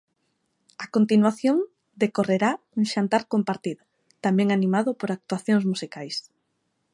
A continuación, decorrerá un xantar compartido, tamén animado por actuación musicais.